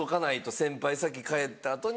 先輩先帰った後に。